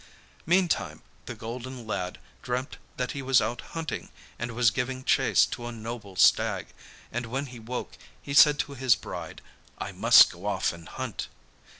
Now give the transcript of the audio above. Meantime the golden lad dreamt that he was out hunting and was giving chase to a noble stag, and when he woke he said to his bride: 'I must go off and hunt.